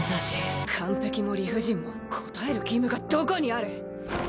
完璧も理不尽も応える義務がどこにある。